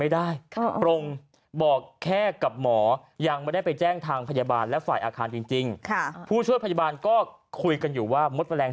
ไม่ได้ครับโรงบอกแค่กับหมอยังไม่ได้ไปแจ้งทางพยาบาลและฝ่ายอาคารจริงจริง